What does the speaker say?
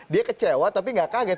dia kecewa tapi gak kaget